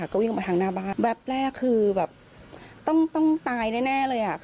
คือแบบต้องตายแน่เลย